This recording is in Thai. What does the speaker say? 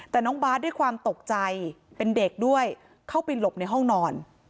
แต่น้องบาทด้วยความตกใจเป็นเด็กด้วยเข้าไปหลบในห้องนอน